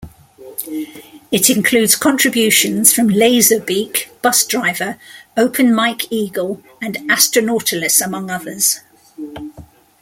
It includes contributions from Lazerbeak, Busdriver, Open Mike Eagle and Astronautalis, among others.